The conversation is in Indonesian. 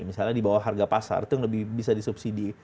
misalnya di bawah harga pasar itu yang lebih bisa disubsidi